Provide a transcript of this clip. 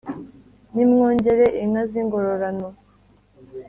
nimwongere inka z’ingororano